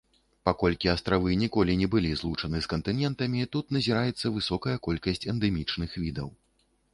Паколькі астравы ніколі не былі злучаны з кантынентамі, тут назіраецца высокая колькасць эндэмічных відаў.